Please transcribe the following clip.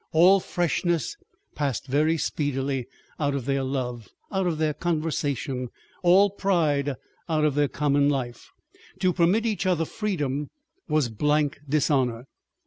All freshness passed very speedily out of their love, out of their conversation, all pride out of their common life. To permit each other freedom was blank dishonor.